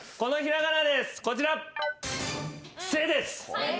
こちら。